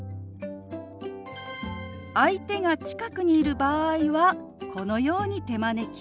相手が近くにいる場合はこのように手招き。